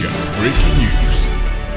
oke baik terima kasih ya